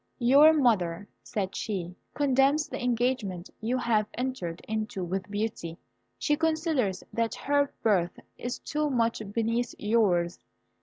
"Your mother," said she, "condemns the engagement you have entered into with Beauty. She considers that her birth is too much beneath yours.